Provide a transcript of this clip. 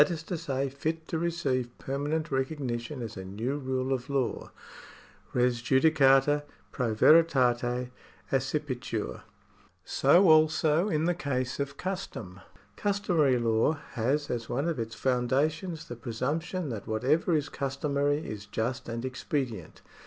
is to say, fit to receive permanent recognition as a new rule of law. Res judicata pro veritate accipitur.'^ So also in the case of custom. Customary law has as one of its foundations the presumption that whatever is customary is just and expedient.